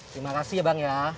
terima kasih ya bang ya